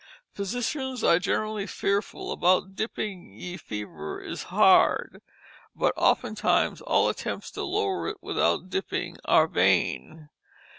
Physicians are generally fearful about diping when ye Fever is hard, but oftentimes all attemps to lower it without diping are vain.